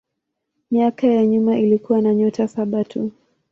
Miaka ya nyuma ilikuwa na nyota saba tu.